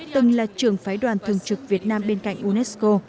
từng là trưởng phái đoàn thường trực việt nam bên cạnh unesco